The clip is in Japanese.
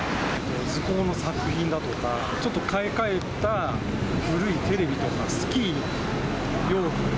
図工の作品だとか、ちょっと買い替えた古いテレビとか、スキー用品。